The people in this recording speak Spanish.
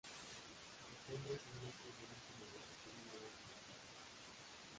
Las hembras se van haciendo más numerosas según avanza la mañana.